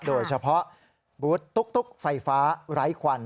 โดยเฉพาะบูธตุ๊กไฟฟ้าไร้ควัน